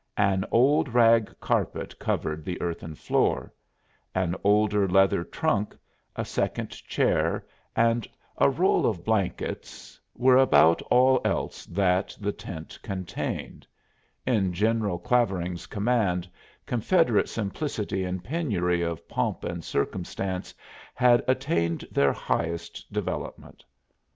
An old rag carpet covered the earthen floor; an older leather trunk, a second chair and a roll of blankets were about all else that the tent contained; in General Clavering's command Confederate simplicity and penury of "pomp and circumstance" had attained their highest development.